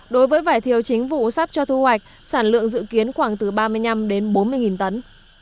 đối với vải thiều chính vụ sắp cho thu hoạch sản lượng dự kiến khoảng từ ba mươi năm đến bốn mươi tấn